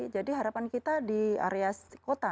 jadi harapan kita di area kota